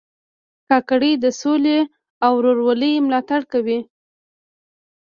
کاکړي د سولې او ورورولۍ ملاتړ کوي.